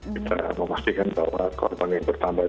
kita memastikan bahwa korban yang bertambah